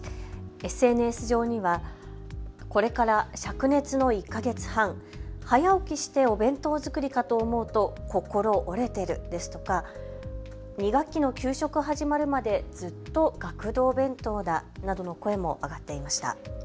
ＳＮＳ上にはこれからしゃく熱の１か月半、早起きしてお弁当作りかと思うと心折れてるですとか２学期の給食始まるまでずっと学童弁当だなどの声も上がっていました。